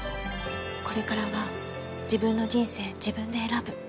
これからは自分の人生自分で選ぶ。